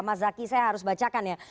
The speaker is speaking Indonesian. mas zaky saya harus bacakan ya